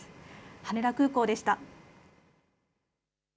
羽田空港でした。